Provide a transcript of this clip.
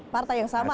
partai yang sama